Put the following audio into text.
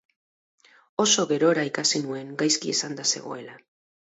Oso gerora ikasi nuen gaizki esanda zegoela.